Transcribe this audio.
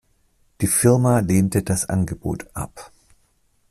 Die Firma lehnte das Angebot ab.